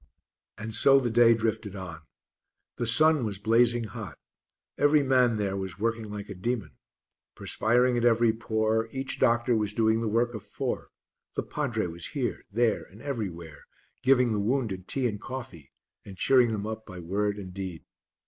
And so the day drifted on. The sun was blazing hot; every man there was working like a demon. Perspiring at every pore, each doctor was doing the work of four; the padre was here, there and everywhere, giving the wounded tea and coffee, and cheering them up by word and deed.